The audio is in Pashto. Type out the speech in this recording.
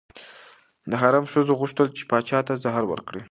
د حرم ښځو غوښتل چې پاچا ته زهر ورکړي.